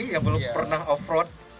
yang belum pernah off road